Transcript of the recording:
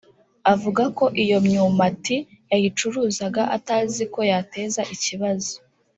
avuga ko iyo myumati yayicuruzaga atazi ko yateza ikibazo